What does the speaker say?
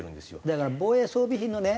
だから防衛装備品のね